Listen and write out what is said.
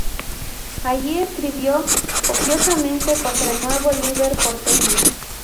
Allí escribió copiosamente contra el nuevo líder porteño.